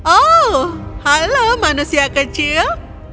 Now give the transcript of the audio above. oh halo manusia kecil